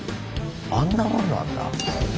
あんなもんなんだ。